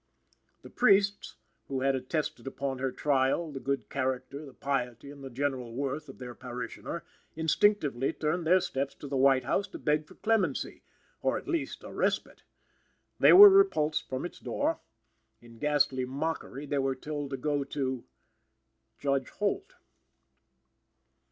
The priests, who had attested upon her trial the good character, the piety and the general worth of their parishioner, instinctively turned their steps to the White House to beg for clemency, or, at least, a respite. They were repulsed from its door. In ghastly mockery, they were told to go to Judge Holt.